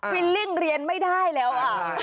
วิลลิ่งเรียนไม่ได้แล้ว